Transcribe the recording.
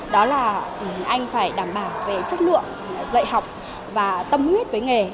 đó là anh phải đảm bảo về chất lượng dạy học và tâm huyết với nghề